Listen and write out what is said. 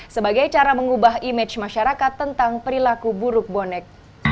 sebagai cara mengubah image masyarakat tentang perilaku buruk bonek